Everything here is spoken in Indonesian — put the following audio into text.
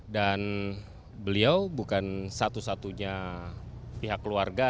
dan beliau bukan satu satunya pihak keluarga